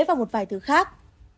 và một vài thứ khác